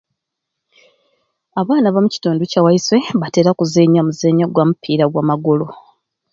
Abaana bamukitundu kyawaiswe batera kuzenya muzenyo gwa mupira gwamagulu.